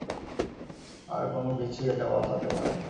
আর কোনো কিছুই এটা বদলাতে পারবে না।